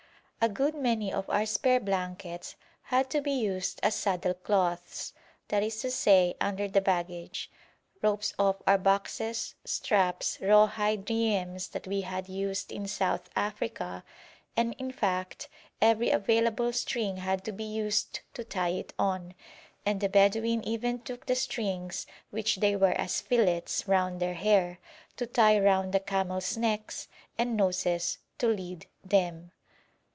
A good many of our spare blankets had to be used as saddle cloths, that is to say under the baggage; ropes off our boxes, straps, raw hide riems that we had used in South Africa, and in fact every available string had to be used to tie it on, and the Bedouin even took the strings which they wear as fillets round their hair, to tie round the camels' necks and noses to lead them.